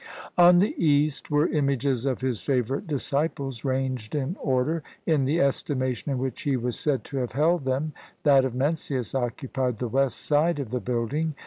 On the east were images of his favorite disciples ranged in order, in the estimation in which he was said to have held them; that of Mencius occupied the west side of the building.